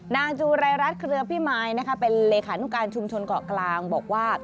จูรายรัฐเครือพิมายนะคะเป็นเลขานุการชุมชนเกาะกลางบอกว่า